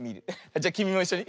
じゃきみもいっしょに。